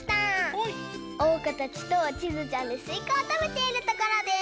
おうかたちとちづちゃんですいかをたべているところです。